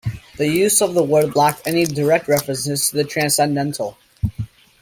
The use of the word lacked any direct references to the transcendental.